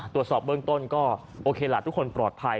ตรวจสอบเบื้องต้นก็โอเคล่ะทุกคนปลอดภัย